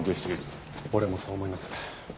俺もそう思います。